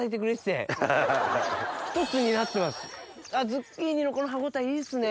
ズッキーニのこの歯応えいいっすね。